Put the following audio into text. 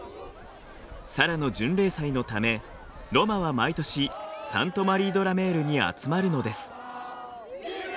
サラの巡礼祭のためロマは毎年サント・マリー・ド・ラ・メールに集まるのです。